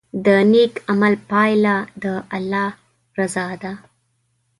د نیک عمل پایله د الله رضا ده.